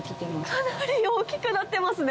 かなり大きくなってますね！